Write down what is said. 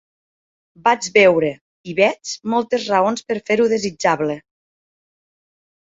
Vaig veure, i veig, moltes raons per fer-ho desitjable.